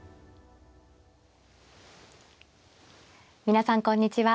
皆さんこんにちは。